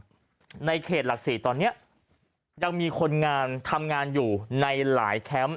ในเขตหลัก๔ตอนนี้ยังมีคนงานทำงานอยู่ในหลายแคมป์